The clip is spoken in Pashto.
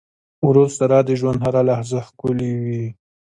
ورور سره د ژوند هره لحظه ښکلي وي.